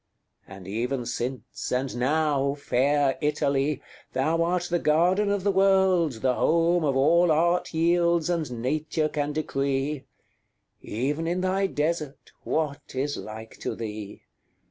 And even since, and now, fair Italy! Thou art the garden of the world, the home Of all Art yields, and Nature can decree; Even in thy desert, what is like to thee?